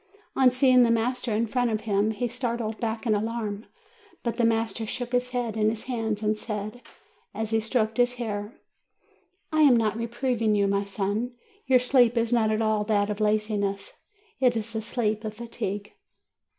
On seeing the master in front of him, he started back in alarm. But the master took his head in his hands, and said, as he stroked his hair : "I am not reproving you, my son. Your sleep is not at all that of laziness; it is the sleep of fatigue."